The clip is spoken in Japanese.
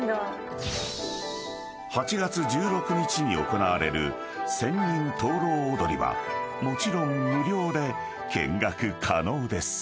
［８月１６日に行われる千人灯籠踊りはもちろん無料で見学可能です］